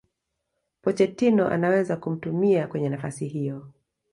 Pochettino anaweza kumtumia kwenye nafasi hiyo